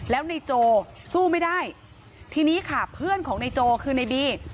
แล้วในโจสู้ไม่ได้ทีนี้ค่ะเพื่อนของนายโจคือในบี